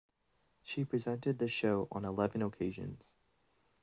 She presented the show on eleven occasions.